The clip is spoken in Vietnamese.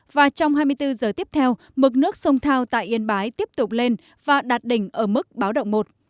và trong hai mươi bốn giờ tiếp theo mực nước sông thao tại yên bái tiếp tục lên và đạt đỉnh ở mức báo động một